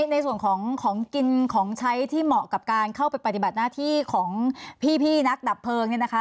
ในส่วนของของกินของใช้ที่เหมาะกับการเข้าไปปฏิบัติหน้าที่ของพี่นักดับเพลิงเนี่ยนะคะ